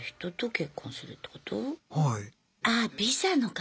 はい。